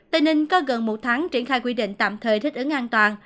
tây ninh có gần một tháng triển khai quy định tạm thời thích ứng an toàn